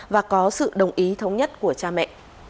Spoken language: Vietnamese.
và có sự đồng ý thống nhất của cha mẹ